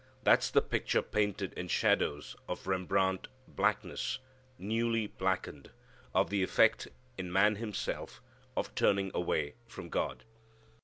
That's the picture painted in shadows of Rembrandt blackness, newly blackened, of the effect in man himself of turning away from God.